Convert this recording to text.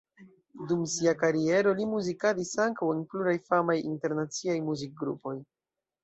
Dum sia kariero li muzikadis ankaŭ en pluraj famaj internaciaj muzikgrupoj.